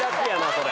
それ。